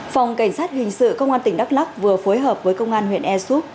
phòng cảnh sát hình sự công an tỉnh đắk lắc vừa phối hợp với công an huyện e soup